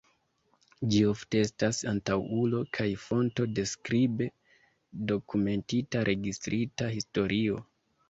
Ĝi ofte estas antaŭulo kaj fonto de skribe dokumentita registrita historio.